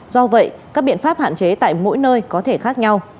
do vậy các biện pháp hạn chế tại mỗi nơi có thể khác nhau